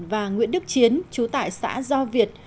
và nguyễn đức chiến chú tại xã do việt